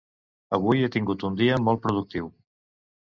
Avui he tingut un dia molt productiu.